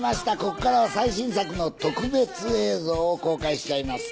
ここからは最新作の特別映像を公開しちゃいます。